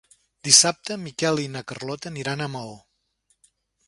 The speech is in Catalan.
Dissabte en Miquel i na Carlota aniran a Maó.